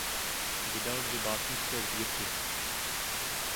Vydal dvě básnické sbírky.